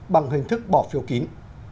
bằng hình thức bỏ phiếu kín